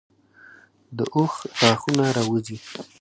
د اوښ غاښونه راوځي.